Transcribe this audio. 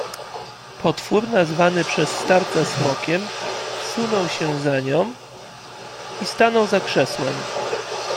"Potwór, nazwany przez starca Smokiem, wsunął się za nią i stanął za krzesłem."